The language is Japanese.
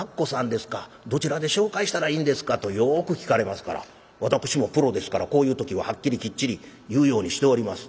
どちらで紹介したらいいんですか？」とよく聞かれますから私もプロですからこういう時ははっきりきっちり言うようにしております。